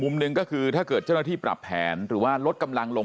หนึ่งก็คือถ้าเกิดเจ้าหน้าที่ปรับแผนหรือว่าลดกำลังลง